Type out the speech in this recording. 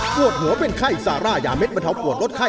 ปวดหัวเป็นไข้ซาร่ายาเด็ดบรรเทาปวดลดไข้